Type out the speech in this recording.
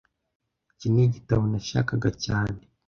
Iki nigitabo nashakaga cyane